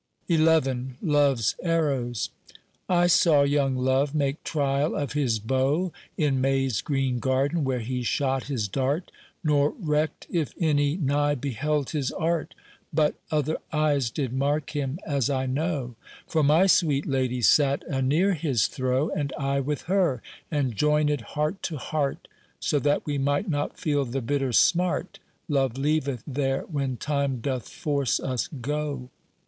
XI LOVE'S ARROWS I SAW young Love make trial of his bow, In May's green garden where he shot his dart, Nor recked if any nigh beheld his art, But other eyes did mark him as I know; For my sweet lady sate anear his throw, And I with her, and joinèd heart to heart, So that we might not feel the bitter smart Love leaveth there when time doth force us go.